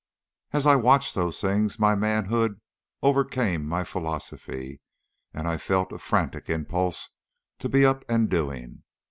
As I watched those things my manhood overcame my philosophy, and I felt a frantic impulse to be up and doing.